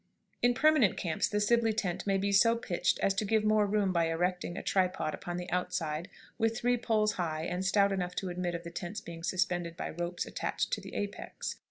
In permanent camps the Sibley tent may be so pitched as to give more room by erecting a tripod upon the outside with three poles high and stout enough to admit of the tent's being suspended by ropes attached to the apex.